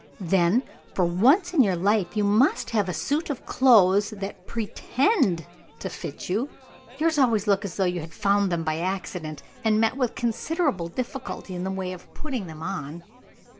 "Then, for once in your life, you must have a suit of clothes that pretend to fit you. Yours always look as though you had found them by accident, and had met with considerable difficulty in the way of putting them on."